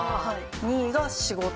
２位が仕事。